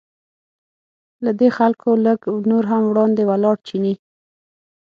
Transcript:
له دې خلکو لږ نور هم وړاندې ولاړ چیني.